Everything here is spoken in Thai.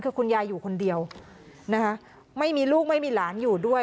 คือคุณยายอยู่คนเดียวนะคะไม่มีลูกไม่มีหลานอยู่ด้วย